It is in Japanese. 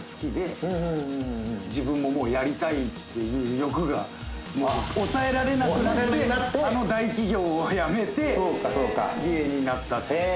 自分ももうやりたいっていう欲がもう抑えられなくなってあの大企業を辞めて芸人になったっていう。